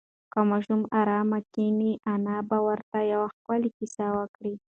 که ماشوم ارام کښېني، انا به ورته یوه ښکلې کیسه وکړي.